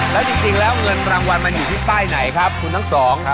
แล้วจริงแล้วเงินรางวัลมันอยู่ที่ป้ายไหนครับคุณทั้งสอง